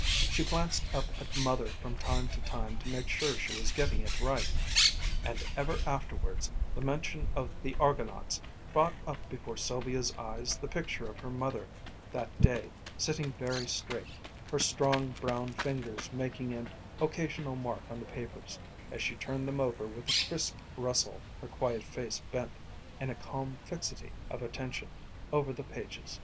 She glanced up at Mother from time to time to make sure she was getting it right; and ever afterwards the mention of the Argonauts brought up before Sylvia's eyes the picture of her mother that day, sitting very straight, her strong brown fingers making an occasional mark on the papers, as she turned them over with a crisp rustle, her quiet face bent, in a calm fixity of attention, over the pages.